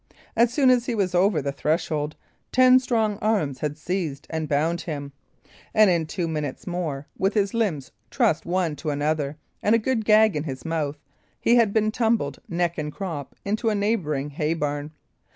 As soon as he was over the threshold, ten strong arms had seized and bound him; and in two minutes more, with his limbs trussed one to another, and a good gag in his mouth, he had been tumbled neck and crop into a neighbouring hay barn.